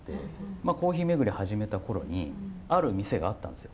まあコーヒー巡り始めた頃にある店があったんですよ。